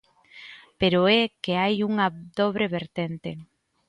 Pero é que hai unha dobre vertente.